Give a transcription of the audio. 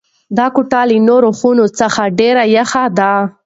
دا کوټه له نورو خونو څخه ډېره یخه ده.